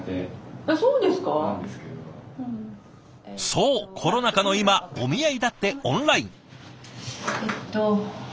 そうコロナ禍の今お見合いだってオンライン。